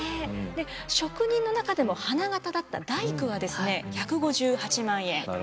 職人の中でも花形だった大工はですね１５８万円。